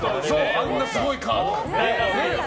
あんなすごいカード。